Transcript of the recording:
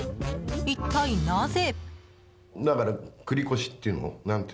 一体なぜ？